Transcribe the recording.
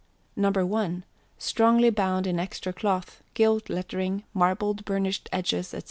No. 1. Strongly bound in extra cloth, gilt lettering, marbled burnished edges, &c.